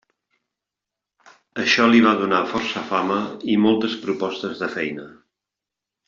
Això li va donar força fama i moltes propostes de feina.